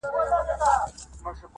چي امیر خلک له ځانه وه شړلي-